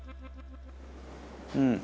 うん。